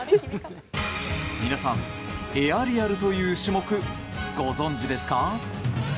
皆さん、エアリアルという種目ご存じですか？